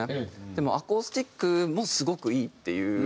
でもアコースティックもすごくいいっていう。